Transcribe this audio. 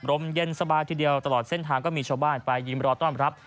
มเย็นสบายทีเดียวตลอดเส้นทางก็มีชาวบ้านไปยิ้มรอต้อนรับ